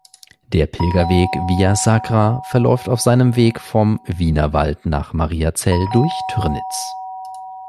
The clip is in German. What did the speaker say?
Der Pilgerweg Via Sacra verläuft auf seinem Weg vom Wienerwald nach Mariazell durch Türnitz.